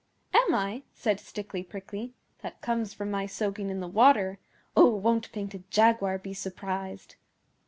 'Am I?' said Stickly Prickly. 'That comes from my soaking in the water. Oh, won't Painted Jaguar be surprised!